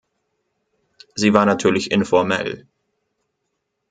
Sie war natürlich informell.